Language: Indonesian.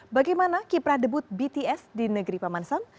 bagaimana kiprah debut bts di negeri paman sam